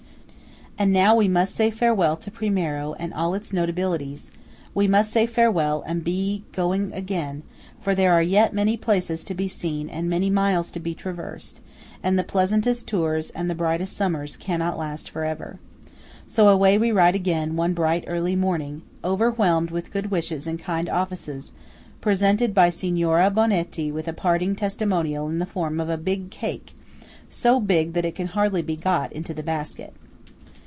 And now we must say farewell to Primiero and all its notabilities; we must say farewell and be going again, for there are yet many places to be seen and many miles to be traversed, and the pleasantest tours and the brightest summers cannot last for ever. So away we ride again, one bright early morning, overwhelmed with good wishes and kind offices, and presented by Signora Bonetti with a parting testimonial in the form of a big cake–so big that it can hardly be got into the basket.